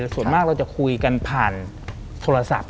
ส่วนมากเราจะคุยกันผ่านโทรศัพท์